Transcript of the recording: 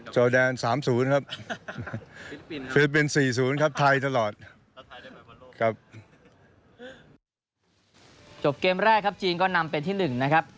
จบเกมแรกครับจีนก็นำเป็นที่๑นะครับ